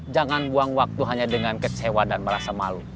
jangan buang waktu hanya dengan kecewa dan merasa malu